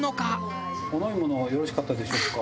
お飲み物よろしかったでしょうか？